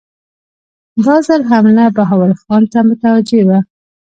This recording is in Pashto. دا ځل حمله بهاول خان ته متوجه وه.